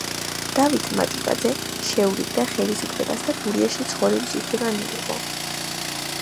დავით მაჭუტაძე შეურიგდა ხელისუფლებას და გურიაში ცხოვრების უფლება მიიღო.